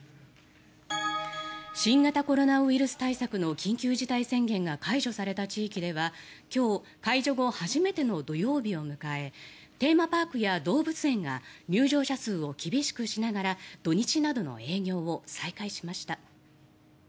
新型コロナウイルス対策の緊急事態宣言が解除された地域では今日、解除後初めての土曜日を迎えテーマパークや動物園が入場者数を厳しくしながら土日などの営業を再開しました。